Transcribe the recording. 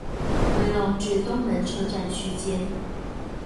迴龍至東門車站區間